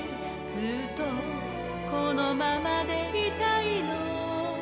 「ずっとこのままでいたいの」